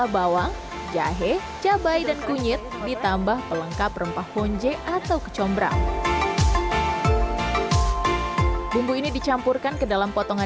bagi pemula seperti saya mencoba berdiri di atas papan selancar ini